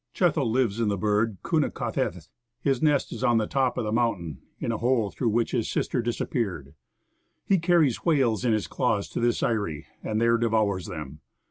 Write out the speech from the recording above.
Chethl lives in the bird Kunna kaht eth. His nest is on the top of the mountain, in the hole through which his sister disappeared. "He carries whales in his claws 'to this eyrie, and there de vours them.